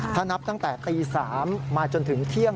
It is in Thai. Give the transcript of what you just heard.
ถ้านับตั้งแต่ตี๓มาจนถึงเที่ยง